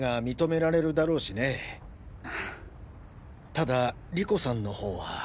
ただ莉子さんの方は。